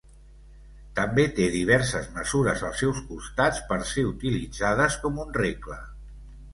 També té diverses mesures als seus costats per ser utilitzades com un regle.